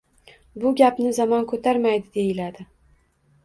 Bu gapni zamon ko‘tarmaydi, deyiladi.